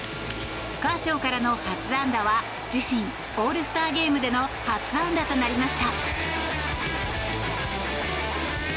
カーショーからの初安打は自身、オールスターゲームでの初安打となりました。